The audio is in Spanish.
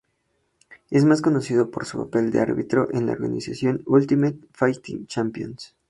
Es más conocido por su papel de árbitro en la organización Ultimate Fighting Championship.